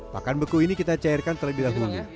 pakan beku ini kita cairkan terlebih dahulu